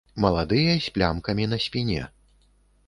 Маладыя з плямкамі на спіне.